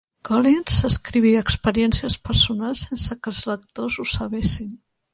Collins escrivia experiències personals sense que els lectors ho sabessin.